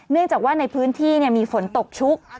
เนื่องจากว่าในพื้นที่มีฝนตกชุก